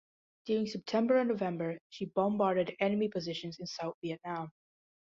During September and November, she bombarded enemy positions in South Vietnam.